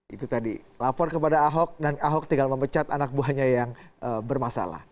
itu tadi lapor kepada ahok dan ahok tinggal memecat anak buahnya yang bermasalah